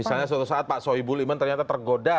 misalnya suatu saat pak soebul iman ternyata tergoda